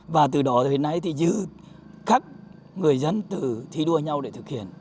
và từ đó đến nay thì dự khắc người dân từ thi đua nhau để thực hiện